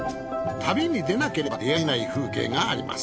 旅に出なければ出会えない風景があります。